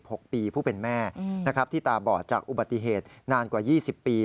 อายุ๘๖ปีผู้เป็นแม่ที่ตาบอดจากอุบัติเหตุนานกว่า๒๐ปี